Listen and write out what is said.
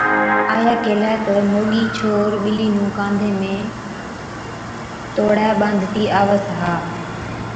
آئِيئَي ڪيهلَي تہ، ’موڳَي ڇوهر، ٻلِي نُون ڪانڌي ۾ توڙَي ٻانڌتِي آوَس ها‘۔